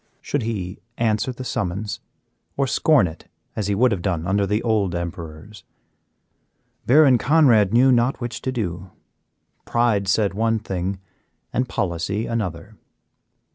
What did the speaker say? Should he answer the summons, or scorn it as he would have done under the old emperors? Baron Conrad knew not which to do; pride said one thing and policy another.